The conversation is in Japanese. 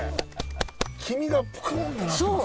黄身がプクッてなってますね。